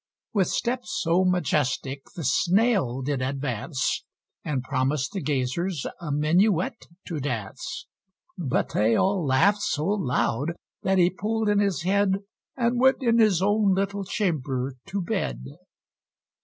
With step so majestic the Snail did advance, And promised the Gazers a Minuet to dance; But they all laughed so loud that he pulled in his head, And went in his own little chamber to bed.